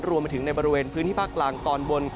รวมไปถึงในบริเวณพื้นที่ภาคกลางตอนบน